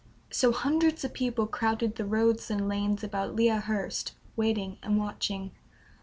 So hundreds of people crowded the roads and lanes about Lea Hurst, waiting and watching.